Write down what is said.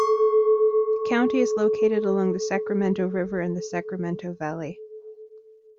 The county is located along the Sacramento River in the Sacramento Valley.